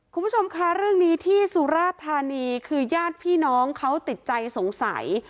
คุณผู้ชมคะเรื่องนี้ที่สุราธานีคือญาติพี่น้องเขาติดใจสงสัย